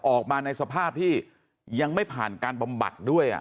ออกมาในสภาพที่ยังไม่ผ่านการบำบัดด้วย